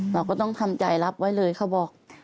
เราก็ต้องทำใจรับไว้เลยเขาบอก